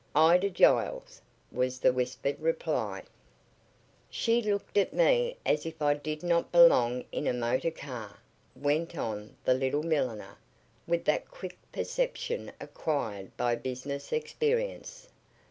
"Ida Giles," was the whispered reply. "She looked at me as if I did not belong in a motor car," went on the little milliner, with that quick perception acquired by business experience.